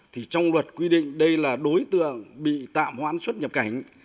thì trong luật quy định đây là đối tượng bị tạm hoãn xuất nhập cảnh